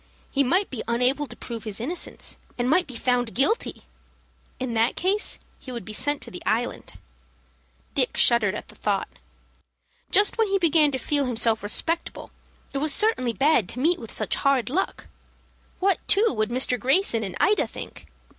He might be unable to prove his innocence, and might be found guilty. In that case he would be sent to the Island. Dick shuddered at the thought. Just when he began to feel himself respectable, it was certainly bad to meet with such hard luck. What, too, would Mr. Greyson and Ida think?